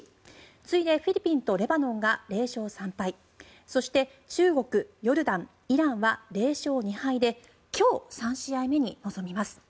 次いでフィリピンとレバノンが０勝３敗そして中国、ヨルダン、イランは０勝２敗で今日、３試合目に臨みます。